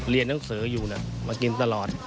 เรียนตั้งเสืออยู่นะมากินตลอด